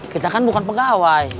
kita kan bukan pegawai